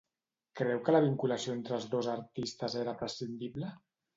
Creu que la vinculació entre els dos artistes era prescindible?